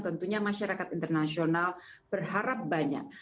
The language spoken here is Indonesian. tentunya masyarakat internasional berharap banyak